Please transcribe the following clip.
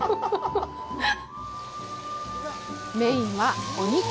メインはお肉！